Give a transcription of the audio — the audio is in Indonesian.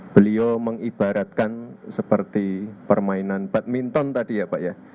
beliau mengibaratkan seperti permainan badminton tadi ya pak ya